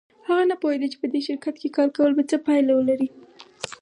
هغه نه پوهېده چې په دې شرکت کې کار کول به څه پایله ولري